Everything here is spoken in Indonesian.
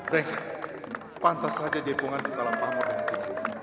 reks pantas saja jebongan kita dalam panggung dengan segera